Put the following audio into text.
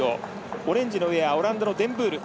オレンジのウエアオランダのデンブール。